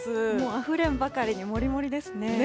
あふれんばかりにもりもりですね。